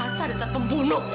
biar rasa dia pembunuh